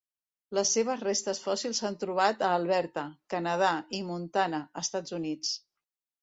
Les seves restes fòssils s'han trobat a Alberta, Canadà i Montana, Estats Units.